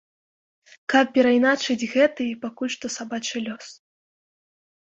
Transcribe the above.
Каб перайначыць гэты, пакуль што сабачы, лёс.